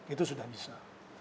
itu sudah bisa